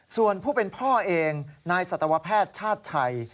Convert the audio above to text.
ส่วนผู้เป็นพ่อเองนายสัตวแพทย์ชาติชัย